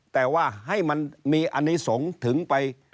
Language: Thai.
แต่ว่าให้มันมีอนิสงฆ์ถึงไป